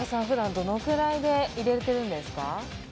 普段どのくらいで入れてるんですか？